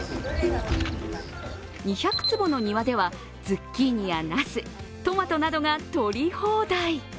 ２００坪の庭では、ズッキーニやナス、トマトなどが取り放題。